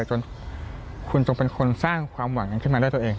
จนคุณจงเป็นคนสร้างความหวังกันขึ้นมาด้วยตัวเอง